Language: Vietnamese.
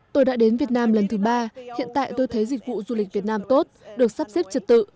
tôi đã đến việt nam lần thứ ba hiện tại tôi thấy dịch vụ du lịch việt nam tốt được sắp xếp trật tự